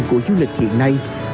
của du lịch hiện nay